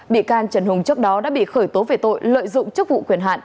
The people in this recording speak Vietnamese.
bị can trần hùng trước đó đã bị khởi tố về tội lợi dụng chức vụ quyền hạn